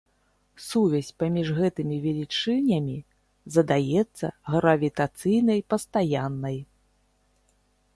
Сувязь паміж гэтымі велічынямі задаецца гравітацыйнай пастаяннай.